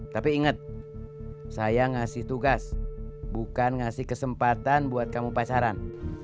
tapi ingat saya ngasih tugas bukan ngasih kesempatan buat kamu pasaran